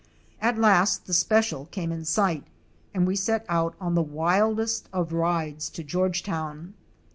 At last the special came in sight and we set out on the wildest of rides to Georgetown.